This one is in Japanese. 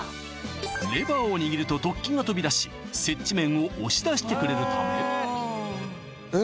レバーを握ると突起が飛び出し接地面を押し出してくれるためえっ